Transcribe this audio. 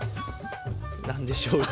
なんでしょうか。